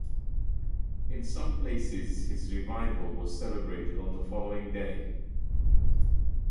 In some places his revival was celebrated on the following day.